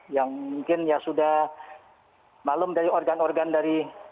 yang mungkin ya sudah malum dari organ organ dari